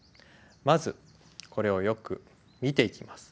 まずこれをよく見ていきます。